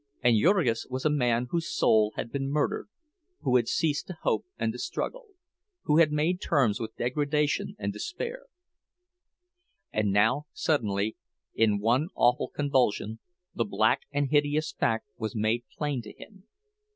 And Jurgis was a man whose soul had been murdered, who had ceased to hope and to struggle—who had made terms with degradation and despair; and now, suddenly, in one awful convulsion, the black and hideous fact was made plain to him!